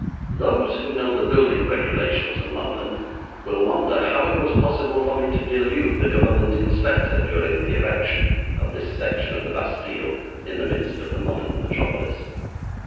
Those who know the building regulations of London will wonder how it was possible for me to delude the Government inspector during the erection of this section of the Bastille in the midst of the modern metropolis.